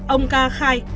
ông ca khai